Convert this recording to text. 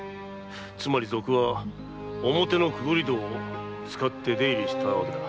つまり賊は表の潜り戸を使って出入りしたわけだ。